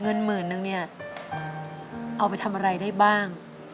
เงินหมื่นนึงเนี่ยเอาไปทำอะไรได้บ้าง